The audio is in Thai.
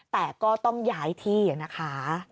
แต่ก็ต้องย้ายที่นะคะ